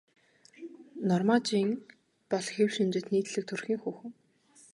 Норма Жин бол хэв шинжит нийтлэг төрхийн хүүхэн.